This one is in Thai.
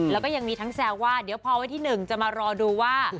แล้วก็ยังมีทั้งแซวว่าเดี๋ยวพอวันที่๑จะมารอดูว่า